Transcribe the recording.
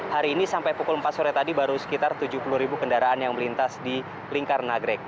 hari ini sampai pukul empat sore tadi baru sekitar tujuh puluh ribu kendaraan yang melintas di lingkar nagrek